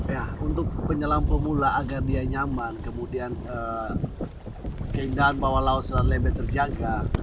ya untuk penyelam pemula agar dia nyaman kemudian keindahan bawah laut selat lembe terjaga